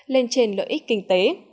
lên trên lợi ích kinh tế